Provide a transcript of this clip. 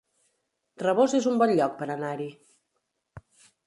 Rabós es un bon lloc per anar-hi